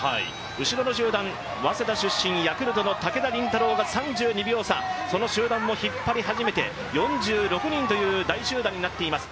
後ろの集団、早稲田出身のヤクルトの武田凜太郎が３２秒差、その集団を引っ張り始めて４６人という大集団になっています